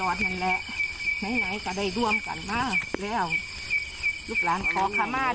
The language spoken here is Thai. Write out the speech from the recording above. ขอคำม้าลูกหลานขอคำม้าแป้งขันหามาขอคำม้าแล้ว